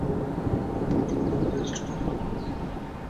এক মিনিটের মধ্যেই ফিরে আসব।